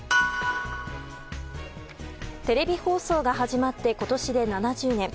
テレビ放送が始まって今年で７０年。